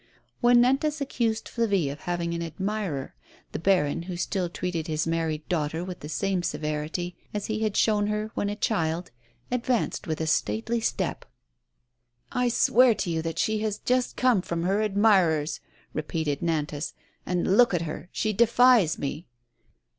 When Nantas accused Flavie of having an admirer, the baron, who still treated his married daughter with the same severity as he had shown her when a child, advanced with a stately step. "I swear to you that she has just come from her admirer's," repeated Nantas ;" and, look at her, she defies me."